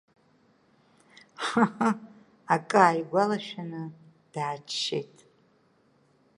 Ҳыҳы, акы ааигәалашәаны дааччеит.